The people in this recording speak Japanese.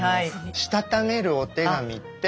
したためるお手紙って。